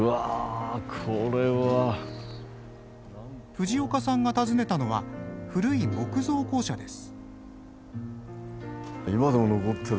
藤岡さんが訪ねたのは古い木造校舎です。